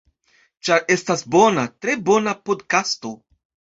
Ĉar estas bona, tre bona podkasto.